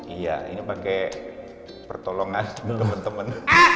iya ini pakai pertolongan temen temen